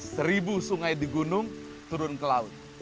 seribu sungai di gunung turun ke laut